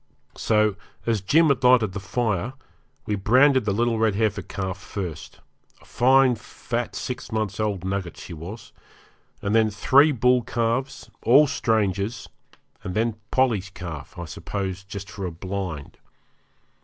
So, as Jim had lighted the fire, we branded the little red heifer calf first a fine fat six months old nugget she was and then three bull calves, all strangers, and then Polly's calf, I suppose just for a blind.